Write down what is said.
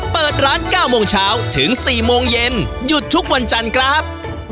เปิดร้าน๙โมงเช้าถึง๔โมงเย็นหยุดทุกวันจันทร์ครับ